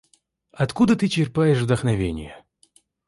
Откуда ты черпаешь вдохновение?